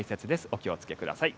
お気をつけください。